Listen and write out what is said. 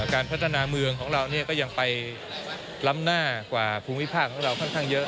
การพัฒนาเมืองของเราก็ยังไปล้ำหน้ากว่าภูมิภาคของเราค่อนข้างเยอะ